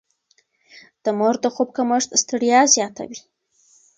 د مور د خوب کمښت ستړيا زياتوي.